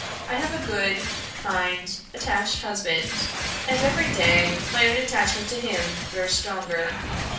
I have a good, kind, attached husband; and every day my own attachment to him grows stronger."